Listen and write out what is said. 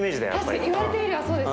確かに言われてみればそうですね。